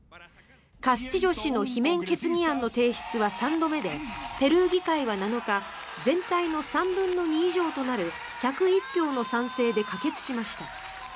カスティジョ氏の罷免決議案の提出は３度目でペルー議会は７日全体の３分の２以上となる１０１票の賛成で可決しました。